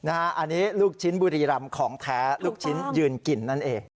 อันนี้ลูกชิ้นบุรีรำของแท้ลูกชิ้นยืนกินนั่นเอง